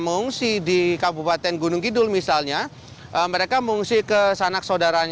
baik terima kasih